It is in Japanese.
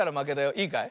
いいかい？